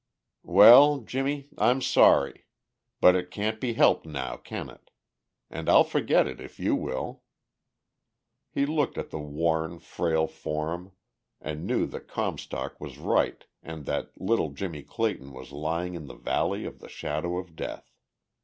"Well, Jimmie, I'm sorry. But it can't be helped now, can it? And I'll forget it if you will." He looked at the worn, frail form, and knew that Comstock was right and that little Jimmie Clayton was lying in the valley of the shadow of death.